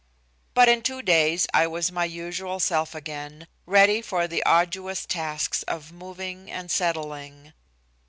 But in two days I was my usual self again, ready for the arduous tasks of moving and settling.